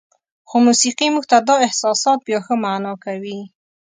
خو موسیقي موږ ته دا احساسات بیا ښه معنا کوي.